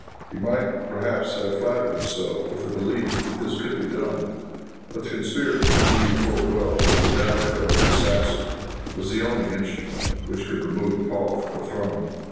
He might perhaps have flattered himself with the belief that this could be done; but the conspirators knew full well that the dagger of the assassin was the only instrument which could remove Paul from the throne.